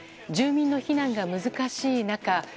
住民の避難が難しい中